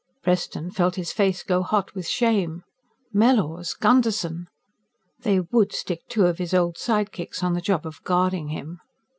Preston felt his face go hot with shame. Mellors! Gunderson! They would stick two of his old sidekicks on the job of guarding him.